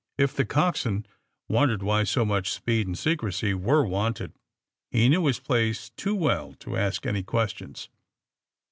If the coxswain wondered why so much speed and secrecy were wanted, he knew his place too well to ask any questions.